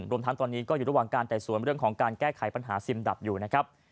รวมทั้งตอนนี้ก็อยู่ระหว่างการไต่สวนเรื่องของการแก้ไขปัญหาซิมดับอยู่นะครับ